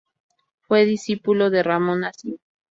Fue discípulo de Ramón Acín.